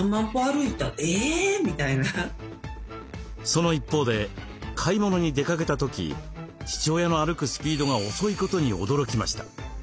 その一方で買い物に出かけた時父親の歩くスピードが遅いことに驚きました。